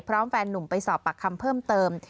พร้อมแฟนหนุ่มไปสอบปักคำเพิ่มเติม